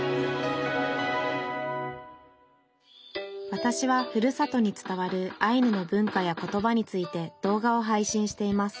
わたしはふるさとに伝わるアイヌの文化や言葉について動画を配信しています